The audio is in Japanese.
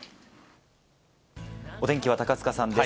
お天気は高塚さんです。